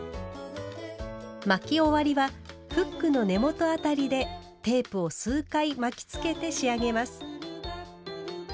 巻き終わりはフックの根元あたりでテープを数回巻きつけて仕上げます。